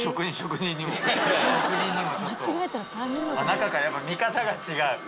中からやっぱ見方が違う。